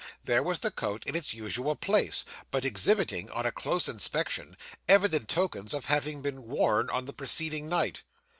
There was the coat in its usual place, but exhibiting, on a close inspection, evident tokens of having been worn on the preceding night.